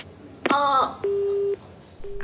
ああ。